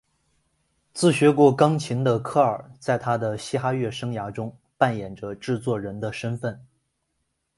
自学过钢琴的科尔在他的嘻哈乐生涯中扮演着制作人的身份。